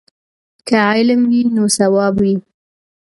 که علم وي نو ثواب وي.